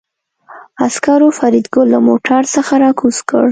عسکرو فریدګل له موټر څخه راکوز کړ